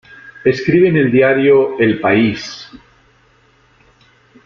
Escribe en el diario "El País".